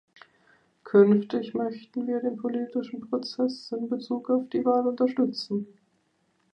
Künftig möchten wir den politischen Prozess in Bezug auf die Wahl unterstützen.